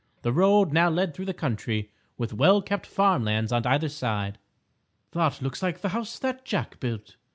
The road now led through the country, with well kept farm lands on either side. "That looks like the House That Jack Built!"